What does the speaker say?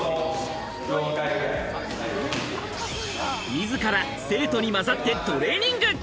自ら生徒に混ざってトレーニング。